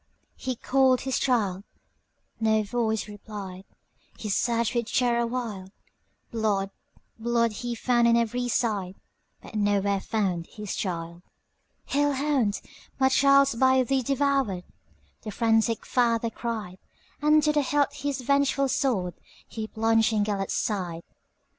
He called his child,—no voice replied,—He searched with terror wild; Blood, blood, he found on every side, But nowhere found his child."Hell hound! my child 's by thee devoured,"The frantic father cried; And to the hilt his vengeful swordHe plunged in Gêlert's side.